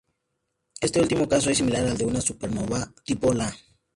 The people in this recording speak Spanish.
Este último caso es similar al de una supernova tipo Ia.